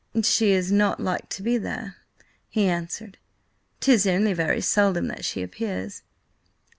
"She is not like to be there," he answered. "'Tis only very seldom that she appears."